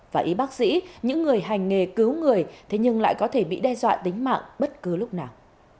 và y bác sĩ những người hành nghề cứu người thế nhưng lại có thể bị đe dọa tính mạng bất cứ lúc nào